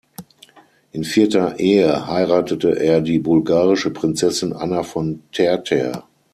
In vierter Ehe heiratete er die bulgarische Prinzessin Anna von Terter.